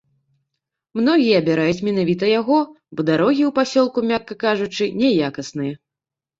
Многія абіраюць менавіта яго, бо дарогі ў пасёлку, мякка кажучы, няякасныя.